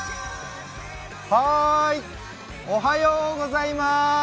おはようございまーす。